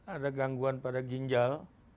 ada gangguan pada ginjal